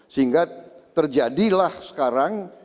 sehingga terjadilah sekarang